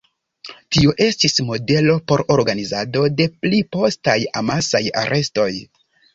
Tio estis modelo por organizado de pli postaj amasaj arestoj.